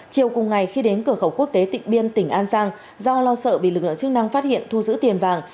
chiều cùng ngày khi đến cửa khẩu quốc tế tịnh biên tỉnh an giang do lo sợ bị lực lượng chức năng phát hiện thu giữ tiền vàng